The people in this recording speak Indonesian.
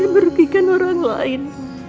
kalian berugikan orang lain